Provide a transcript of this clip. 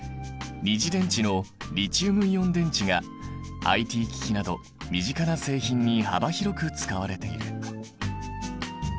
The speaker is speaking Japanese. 二次電池のリチウムイオン電池がＩＴ機器など身近な製品に幅広く使われている。